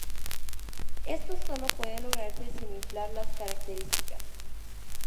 Esto sólo puede lograrse sin "inflar" las características.